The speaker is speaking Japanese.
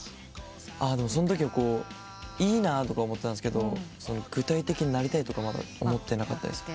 そのときはいいなと思ってたんですけど具体的になりたいとか思ってなかったです。